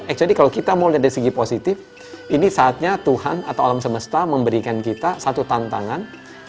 eh jadi kalau kita mau lihat dari segi positif ini saatnya tuhan atau alam semesta memberikan kita satu tantangan